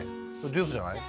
「ジュースじゃない？」